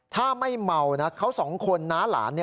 ถ้าไม่เมานะเขาสองคนน้าหลาน